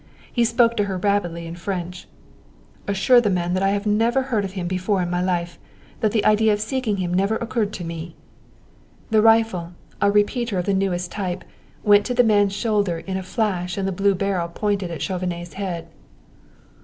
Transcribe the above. He spoke to her rapidly in French. "Assure the man that I never heard of him before in my life that the idea of seeking him never occurred to me." The rifle a repeater of the newest type went to the man's shoulder in a flash and the blue barrel pointed at Chauvenet's head.